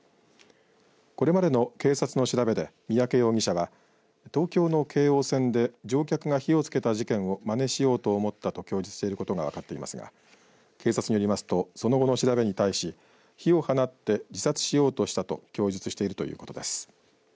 これまでの警察の調べで三宅容疑者は、東京の京王線で乗客が火をつけた事件をまねしようと思ったと供述していることが分かっていますが警察によりますとその後の調べに対し火を放って自殺しようとしたと供述しているということです。